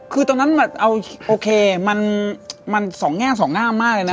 คือตอนนั้นโอเคมันสองแง่สองงามมากเลยนะ